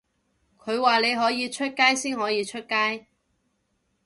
佢話你可以出街先可以出街